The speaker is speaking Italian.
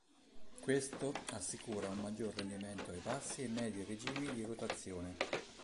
Questo assicura un maggior rendimento ai bassi e medi regimi di rotazione.